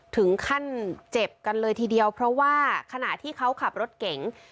ถึงขั้นเจ็บกันเลยทีเดียวเพราะว่าขณะที่เขาขับรถเก๋ง